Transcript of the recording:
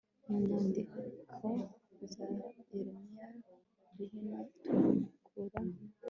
munyandiko za yeremiya bniho tubikura